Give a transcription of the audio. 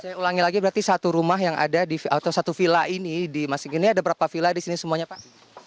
saya ulangi lagi berarti satu rumah yang ada atau satu villa ini di masing masing ini ada berapa villa di sini semuanya pak